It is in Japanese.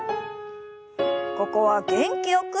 ここは元気よく。